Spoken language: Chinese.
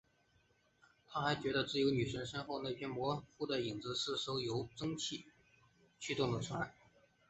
他还觉得自由女神身后那片模糊的影子是艘由蒸汽驱动的船。